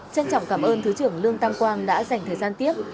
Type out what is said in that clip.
trân trọng cảm ơn thứ trưởng lương tam quang đã dành thời gian tiếp